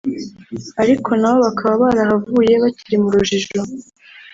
ariko na bo bakaba barahavuye bakiri mu rujijo